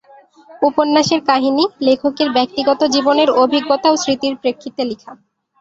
উপন্যাসের কাহিনী লেখকের ব্যক্তিগত জীবনের অভিজ্ঞতা ও স্মৃতির প্রেক্ষিতে লিখা।